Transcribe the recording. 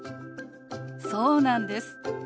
そうなんです。